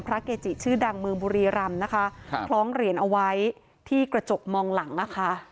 เกจิชื่อดังเมืองบุรีรำนะคะครับคล้องเหรียญเอาไว้ที่กระจกมองหลังนะคะ